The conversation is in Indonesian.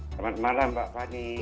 selamat malam mbak fani